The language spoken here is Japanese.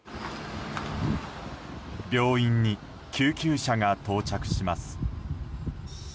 病院に救急車が到着します。